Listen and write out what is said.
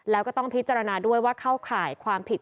แล้วก็ต้องพิจารณาด้วยว่าเข้าข่ายความผิด